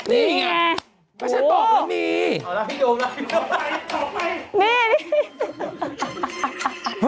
นี่ไงไม่ใช่ตอบไม่มีอ๋อแล้วพี่โดมแล้วพี่โดมไป